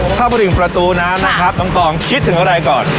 ถ้ามาถึงประตูน้ำนะครับน้องกองคิดถึงอะไรก่อน